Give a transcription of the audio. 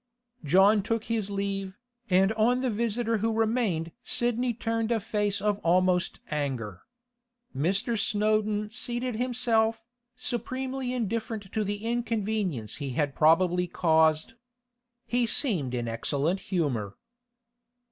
John took his leave, and on the visitor who remained Sidney turned a face almost of anger. Mr. Snowdon seated himself, supremely indifferent to the inconvenience he had probably caused. He seemed in excellent humour.